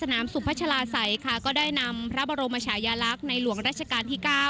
ทางน้ำสุขพลัชลาใส่ค่ะก็ได้นำพระบรมชายลักษณ์ในหลวงรัชกาลที่๙